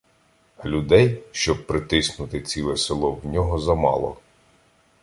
А людей, щоб притиснути ціле село, в нього замало.